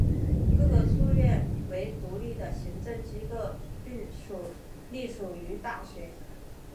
各个书院为独立的行政机构并隶属于大学。